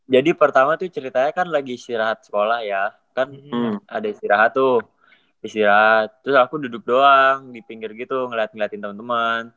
jadi pertama tuh ceritanya kan lagi istirahat sekolah ya kan ada istirahat tuh istirahat terus aku duduk doang di pinggir gitu ngeliat ngeliatin temen temen